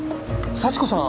幸子さん